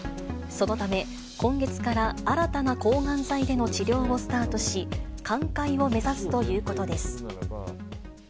そのため、今月から新たな抗がん剤での治療をスタートし、寛解を目指すということです。